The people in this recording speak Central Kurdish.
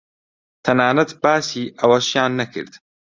تەنانەت باسی ئەوەشیان نەکرد